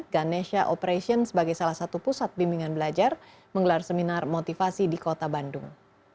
ganesha operation sebagai salah satu pusat bimbingan belajar menggelar seminar motivasi di kota bandung